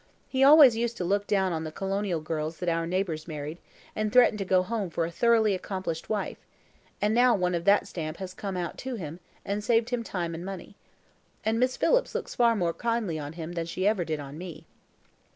He always used to look down on the colonial girls that our neighbours married, and threatened to go home for a thoroughly accomplished wife; and now one of that stamp has come out to him, and saved him time and money. And Miss Phillips looks far more kindly on him than she ever did on me."